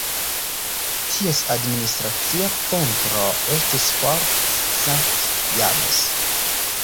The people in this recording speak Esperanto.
Ties administracia centro estis Fort St. James.